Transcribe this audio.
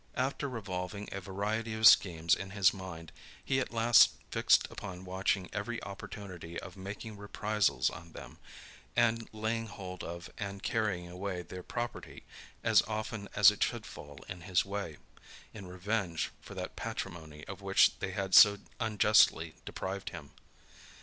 After revolving a variety of schemes in his mind, he at last fixed upon watching every opportunity of making reprisals on them, and laying hold of and carrying away their property, as often as it should fall in his way, in revenge for that patrimony of which they had so unjustly deprived him.